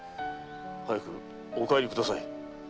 早くお帰りください。